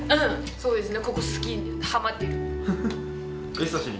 そうですね。